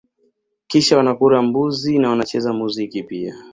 Kisha wanakula mbuzi na wanacheza muziki pia